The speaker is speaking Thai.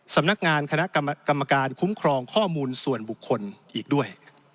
สำนักงานคณะกรรมการคุ้มครองข้อมูลส่วนบุคคลอีกด้วย